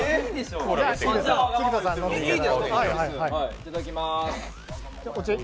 いただきまーす。